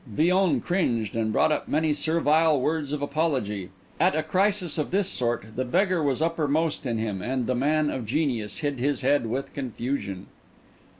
Villon cringed, and brought up many servile words of apology; at a crisis of this sort, the beggar was uppermost in him, and the man of genius hid his head with confusion.